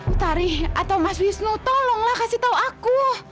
mutari atau mas wisnu tolonglah kasih tahu aku